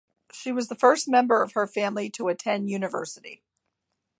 She was the first member of her family to attend university.